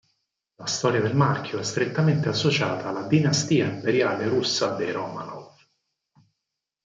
La storia del marchio è strettamente associata alla dinastia imperiale russa dei Romanov.